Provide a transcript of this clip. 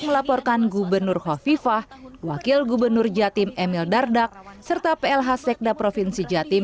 melaporkan gubernur khofifah wakil gubernur jatim emil dardak serta plh sekda provinsi jatim